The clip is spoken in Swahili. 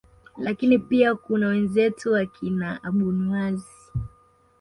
lakini pia kuna wenzetu wakina abunuasi